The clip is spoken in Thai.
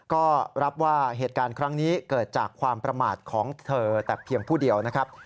ก็รับว่าเหตุการณ์ครั้งนี้เกิดจากความประมาทของเธอแต่เพียงผู้เดียวนะครับ